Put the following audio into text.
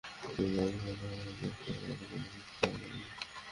তিনি দাবি করেন, তখন পর্যন্ত মোস্তফা কামালের কোনো খোঁজ পাওয়া যায়নি।